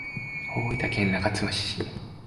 大分県中津市